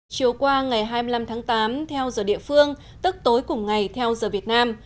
chiều qua ngày hai mươi năm tháng tám theo giờ địa phương tức tối cùng ngày theo giờ việt nam